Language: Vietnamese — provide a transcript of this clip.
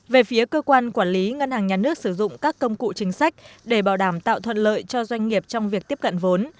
về phía cơ quan quản lý ngân hàng nhà nước sử dụng các công cụ chính sách để bảo đảm tạo thuận lợi cho doanh nghiệp trong việc tiếp cận vốn